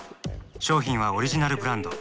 商品はオリジナルブランド。